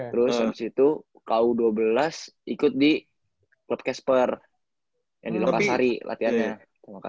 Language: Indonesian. terus habis itu ku dua belas ikut di klub casper yang di lokasari latihannya